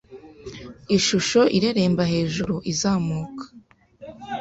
Ishusho ireremba hejuru izamuka